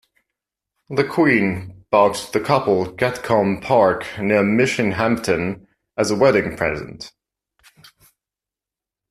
The Queen bought the couple Gatcombe Park near Minchinhampton as a wedding present.